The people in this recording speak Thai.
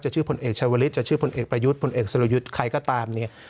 ชื่อพลเอกชาวลิศจะชื่อพลเอกประยุทธ์พลเอกสรยุทธ์ใครก็ตามเนี่ย